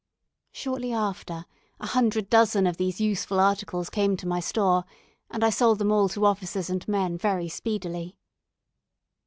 Shortly after, a hundred dozen of these useful articles came to my store, and I sold them all to officers and men very speedily.